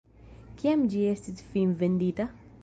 Kiam ĝi estis finvendita?